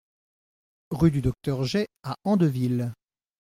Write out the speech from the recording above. Rue du Docteur Gey à Andeville